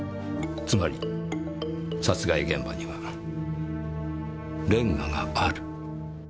つまり殺害現場にはレンガがある。